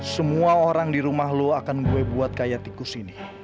semua orang di rumah lo akan gue buat kayak tikus ini